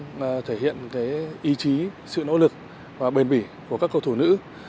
tầm huy chương thể hiện ý chí sự nỗ lực và bền bỉ của các cầu thủ nữ